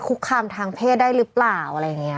คุกคามทางเพศได้หรือเปล่าอะไรอย่างนี้